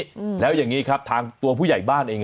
อืมแล้วอย่างงี้ครับทางตัวผู้ใหญ่บ้านเอง